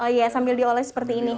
oh iya sambil dioleh seperti ini